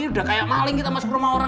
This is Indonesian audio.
udah kayak maling kita masuk rumah orang